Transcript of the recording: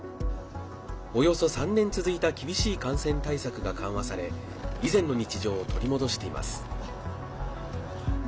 およそ３年続いた厳しい感染対策が緩和され以前の日常を取り戻しています。